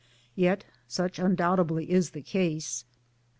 Yet such undoubtedly is the case.